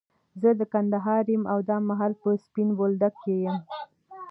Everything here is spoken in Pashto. زه د کندهار يم، او دا مهال په سپين بولدک کي يم.